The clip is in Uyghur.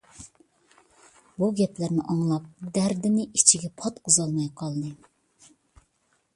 بۇ گەپلەرنى ئاڭلاپ، دەردىنى ئىچىگە پاتقۇزالماي قالدى.